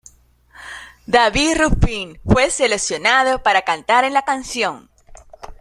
David Ruffin fue seleccionado para cantar en la canción.